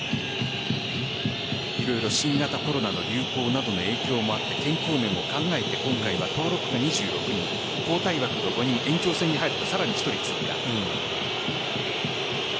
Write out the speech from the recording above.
新型コロナの流行などの影響もあって健康面を考えて今回は登録が２６人交代枠が５人延長戦に入るとさらに１人追加。